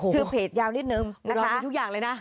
ชื่อเพจยาวนิดนึงนะคะอุดรมีทุกอย่างเลยนะ